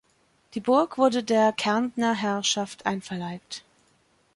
Die Burg wurde der Kärntner Herrschaft einverleibt.